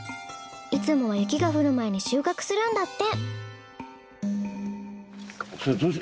いつもは雪が降る前に収穫するんだって。